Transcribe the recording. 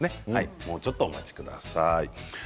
もうちょっとお待ちください。